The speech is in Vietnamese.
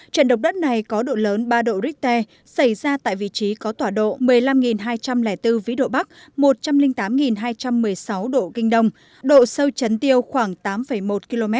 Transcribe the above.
trận động đất này có độ lớn ba độ richter xảy ra tại vị trí có tỏa độ một mươi năm hai trăm linh bốn vĩ độ bắc một trăm linh tám hai trăm một mươi sáu độ kinh đông độ sâu chấn tiêu khoảng tám một km